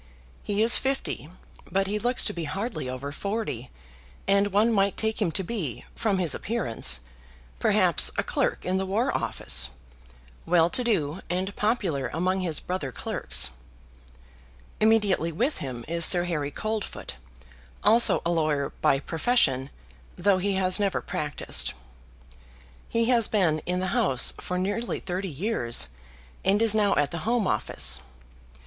He is fifty, but he looks to be hardly over forty, and one might take him to be, from his appearance, perhaps a clerk in the War Office, well to do, and popular among his brother clerks. Immediately with him is Sir Harry Coldfoot, also a lawyer by profession, though he has never practised. He has been in the House for nearly thirty years, and is now at the Home Office.